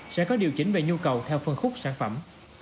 sẽ có điều chỉnh về nhu cầu theo phân khúc sản phẩm